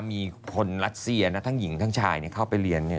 มีคนรัสเซียนะทั้งหญิงทั้งชายเนี่ยเข้าไปเรียนเนี่ย